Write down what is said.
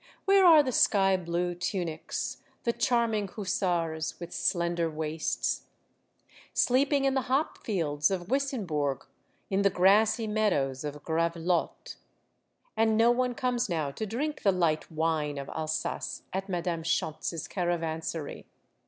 Where are the sky blue tunics, the charming hussars, with slender waists? Sleeping in the hop fields of Wissenbourg, in the grassy meadows of Gravelotte. And no one comes now to drink the light wine of Alsace at Madame Schontz's caravansary.